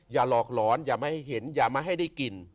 อย่าหลอกหลอนอย่ามาให้เห็นอย่ามาให้ได้กิน